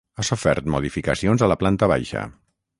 Ha sofert modificacions a la planta baixa.